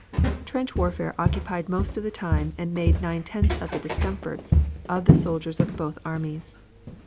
Trench warfare occupied most of the time and made nine tenths of the discomforts of the soldiers of both armies.